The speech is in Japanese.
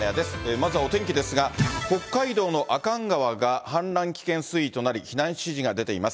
まずはお天気ですが、北海道の阿寒川が氾濫危険水位となり、避難指示が出ています。